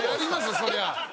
そりゃ。